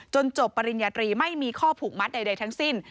จบปริญญาตรีไม่มีข้อผูกมัดใดทั้งสิ้น